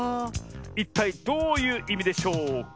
いったいどういういみでしょうか？